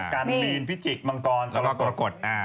กันบีนพิจิกมังกรแล้วก็กรกฎ